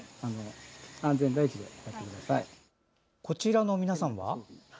こちらの皆さんは？